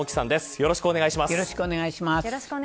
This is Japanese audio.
よろしくお願いします。